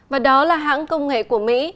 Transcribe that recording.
và đó là hãng công nghệ của mỹ